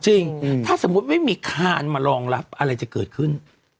จริงถ้าสมมุติไม่มีคานมารองรับอะไรจะเกิดขึ้น